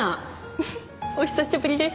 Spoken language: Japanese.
フフお久しぶりです。